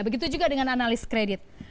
begitu juga dengan analis kredit